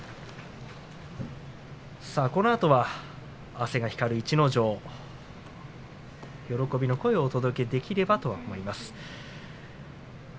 このあとは汗が光る逸ノ城喜びの声をお届けできればと思います。